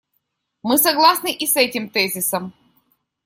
Мы согласны и с этим тезисом.